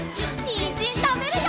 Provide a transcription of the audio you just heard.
にんじんたべるよ！